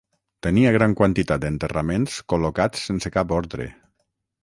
Tenia gran quantitat d'enterraments col·locats sense cap ordre.